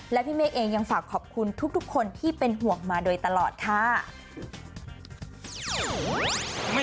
และพี่เมฆเองยังฝากขอบคุณทุกคนที่เป็นห่วงมาโดยตลอดค่ะ